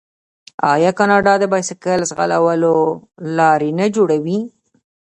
آیا کاناډا د بایسکل ځغلولو لارې نه جوړوي؟